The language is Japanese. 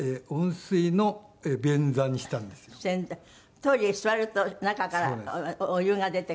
トイレに座ると中からお湯が出てくる。